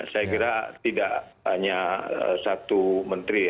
saya kira tidak hanya satu menteri ya